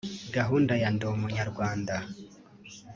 gahunda ya Ndi Umunyarwanda